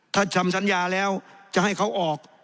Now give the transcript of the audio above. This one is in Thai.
ถ้าทำสัญญาแล้วจะให้เขาออก